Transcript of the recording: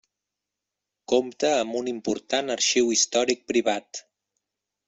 Compta amb un important arxiu històric privat.